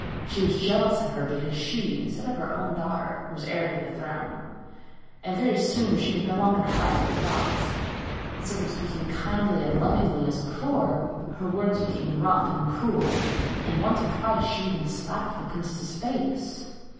She was jealous of her because she, instead of her own daughter, was heir to the throne, and very soon she could no longer hide her thoughts. Instead of speaking kindly and lovingly as before, her words became rough and cruel, and once or twice she even slapped the princess's face.